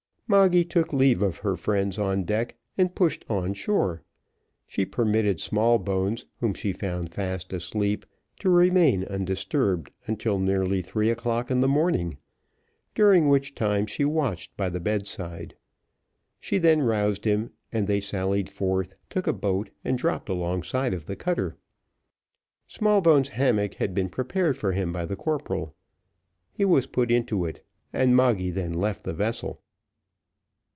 Moggy took leave of her friends on deck, and pushed on shore. She permitted Smallbones, whom she found fast asleep, to remain undisturbed until nearly three o'clock in the morning, during which time she watched by the bedside. She then roused him, and they sallied forth, took a boat, and dropped alongside of the cutter. Smallbones' hammock had been prepared for him by the corporal. He was put into it, and Moggy then left the vessel.